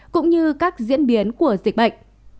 cũng như các diễn biến của dịch bệnh